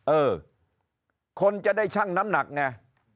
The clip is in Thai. เออคนจะได้ชั่งน้ำหนักไง